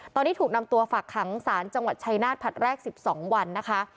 ตอนนี้ถูกนำตัวฝากขังศาลจังหวัดชัยนาธิผลัดแรก๑๒วันนะคะ